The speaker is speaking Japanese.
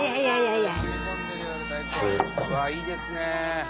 うわいいですね！